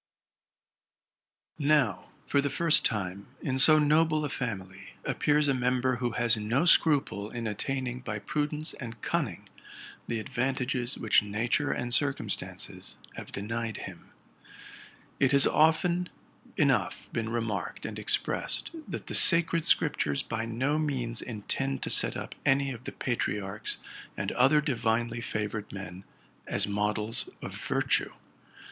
Now, for the first time, in so noble a family appears a member who has no seruple in attaining by prudence and cunning the advantages which nature and circumstances have denied him. It has often enough been remarked and iid TRUTH AND FICTION expressed, that the Sacred Scriptures by no means intend to set up any of the patriarchs and other divinely favored men as models of virtue.